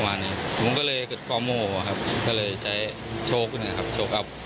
ไม่ครับเขาไม่ได้พูดอะไร